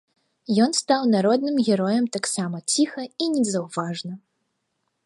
Ён стаў народным героем таксама ціха і незаўважна.